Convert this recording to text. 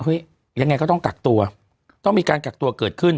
ยังไงก็ต้องกักตัวต้องมีการกักตัวเกิดขึ้น